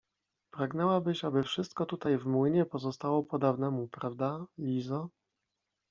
— Pragnęłabyś, aby wszystko tutaj w młynie pozostało po dawnemu, prawda, Lizo?